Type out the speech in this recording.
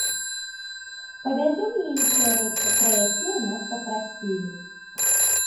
Павязём і іншыя рэчы, пра якія нас папрасілі.